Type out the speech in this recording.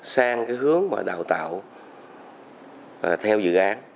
sang cái hướng mà đào tạo theo dự án